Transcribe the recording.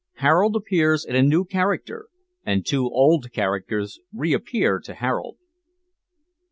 HAROLD APPEARS IN A NEW CHARACTER, AND TWO OLD CHARACTERS REAPPEAR TO HAROLD.